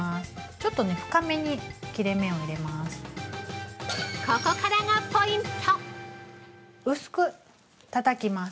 ちょっと深めに切れ目を入れます。